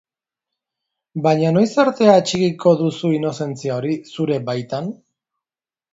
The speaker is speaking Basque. Baina noiz arte atxikiko duzu inozentzia hori, zure baitan?